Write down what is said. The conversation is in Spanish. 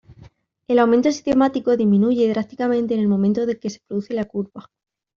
El aumento sistemático disminuye drásticamente en el momento de que se produce la curva.